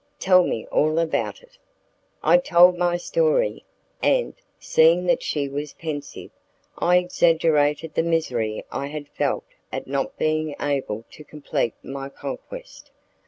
Tell me all about it." I told my story, and, seeing that she was pensive, I exaggerated the misery I had felt at not being able to complete my conquest.